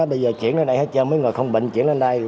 bây giờ chuyển lên đây hết cho mấy người không bệnh chuyển lên đây